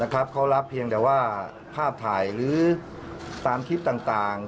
เขารับเพียงแต่ว่าภาพถ่ายหรือตามคลิปต่าง